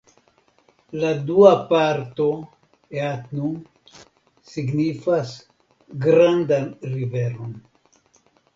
La dua parto "eatnu" signifas '(grandan) riveron'.